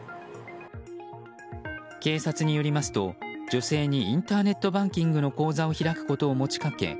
警察によりますと、女性にインターネットバンキングの口座を開くことを持ち掛け